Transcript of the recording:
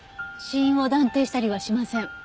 死因を断定したりはしません。